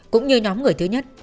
cũng như nhóm người thứ nhất